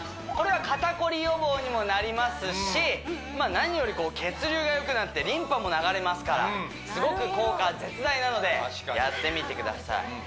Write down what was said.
これは肩こり予防にもなりますし何より血流がよくなってリンパも流れますからすごく効果絶大なのでやってみてください